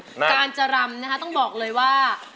การจะรำนะคะต้องบอกเลยว่า